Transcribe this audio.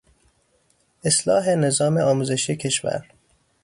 اصلاح نظام آموزشی کشور